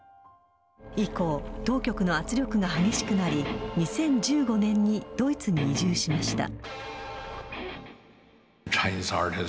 以降、当局の圧力が激しくなり、２０１５年にドイツに移住しました。